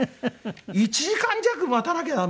１時間弱待たなきゃダメ？」